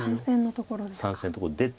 ３線のところですか。